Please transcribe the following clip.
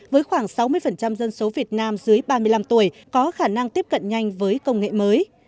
với khoảng sáu mươi dân số việt nam dưới ba mươi năm tuổi có khả năng tiếp cận nhanh với công nghệ mới